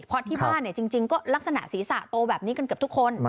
เพราะที่บ้านจริงก็ลักษณะศีรษะโตแบบนี้กันเกือบทุกคน